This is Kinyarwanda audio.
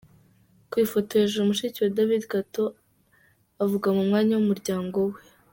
Ku ifoto hejuru, mushiki wa David Kato avuga mu mwanya w'umuryango we.